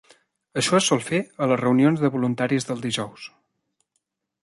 Això es sol fer a les reunions de voluntaris del dijous.